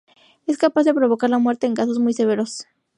Es capaz de provocar la muerte en casos muy severos.